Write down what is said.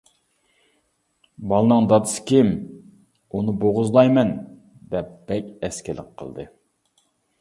بالىنىڭ دادىسى كىم، ئۇنى بوغۇزلايمەن دەپ بەك ئەسكىلىك قىلدى.